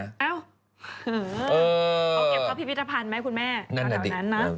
เอ้าเออเอาเก็บเข้าพิพิธภัณฑ์ไหมคุณแม่เท่านั้นนะ